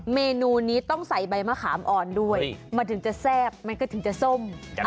เมนูนี้ต้องใส่ใบมะขามอ่อนด้วยมันถึงจะแซ่บมันก็ถึงจะส้ม